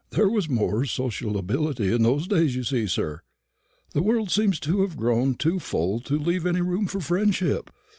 There was more sociability in those days, you see, sir. The world seems to have grown too full to leave any room for friendship.